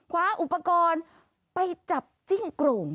ขวาอุปกรณ์ไปจับจิ้งกลง